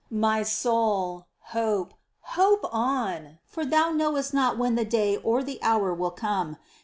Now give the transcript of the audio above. My soul, hope, hope on, for thou knowest not when the day or the hour will come.